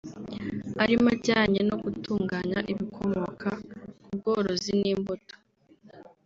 arimo ajyanye no gutunganya ibikomoka ku ubworozi n’imbuto